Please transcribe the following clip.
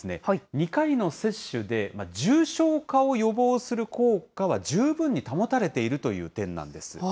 ２回の接種で、重症化を予防する効果は十分に保たれているという点なんです。